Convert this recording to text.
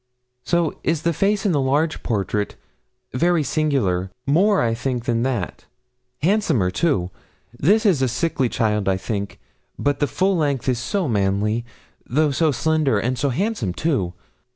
'So is the face in the large portrait very singular more, I think, than that handsomer too. This is a sickly child, I think; but the full length is so manly, though so slender, and so handsome too.